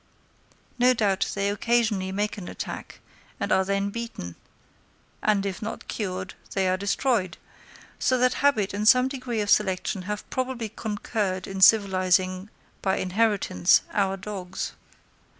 No doubt they occasionally do make an attack, and are then beaten; and if not cured, they are destroyed; so that habit and some degree of selection have probably concurred in civilising by inheritance our dogs.